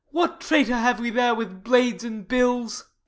_ What traitor have we there with blades and bills?